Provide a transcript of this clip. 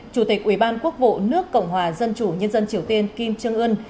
chủ tịch ủy ban quốc vụ nước cộng hòa dân chủ nhân dân triều tiên kim trương ưn